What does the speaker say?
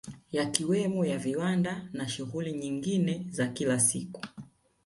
Yakiwemo ya viwanda na shughuli nyingine za kila siku